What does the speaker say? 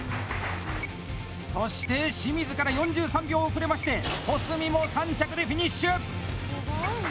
そして清水から４３秒遅れまして保住も３着でフィニッシュ！